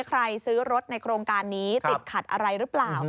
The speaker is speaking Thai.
ใครซื้อรถในโครงการนี้ติดขัดอะไรหรือเปล่า